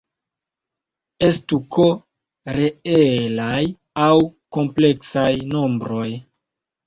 Estu "K" reelaj aŭ kompleksaj nombroj.